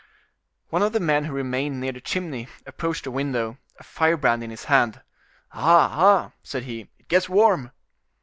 One of the men who remained near the chimney approached the window, a firebrand in his hand. "Ah, ah!" said he, "it gets warm."